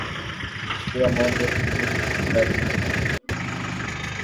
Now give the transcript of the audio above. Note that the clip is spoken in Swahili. Tulitoa maoni yetu kuhusu ufisadi